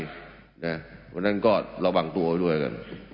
เพราะฉะนั้นก็ระวังตัวด้วยกัน